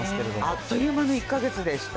あっという間の１か月でした。